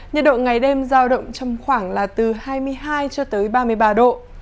nhiệt độ ngày đêm giao động trong khoảng là từ hai mươi hai cho tới ba mươi ba độ